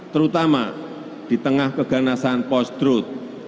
terutama di tengah keganasan post truth